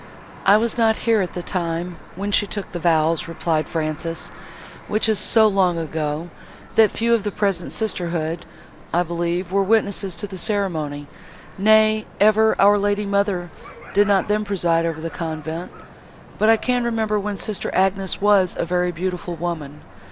"I was not here at the time, when she took the vows," replied Frances, "which is so long ago, that few of the present sisterhood, I believe, were witnesses of the ceremony; nay, ever our lady mother did not then preside over the convent: but I can remember, when sister Agnes was a very beautiful woman.